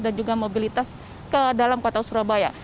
dan juga mobilitas ke dalam kota surabaya